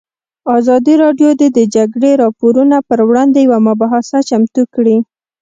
ازادي راډیو د د جګړې راپورونه پر وړاندې یوه مباحثه چمتو کړې.